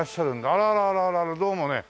あらあらあらどうもね。